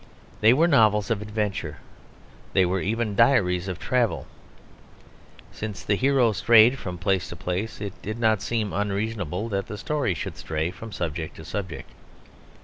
They were novels of adventure; they were even diaries of travel. Since the hero strayed from place to place, it did not seem unreasonable that the story should stray from subject to subject.